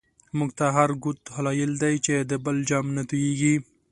مونږ ته هر گوت هلایل دی، چی د بل جام نه توییږی